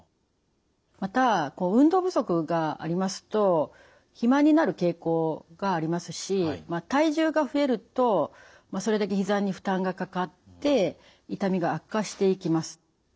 また運動不足がありますと暇になる傾向がありますし体重が増えるとそれだけひざに負担がかかって痛みが悪化していきます。